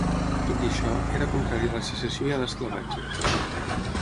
Tot i això, era contrari a la secessió i a l'esclavatge.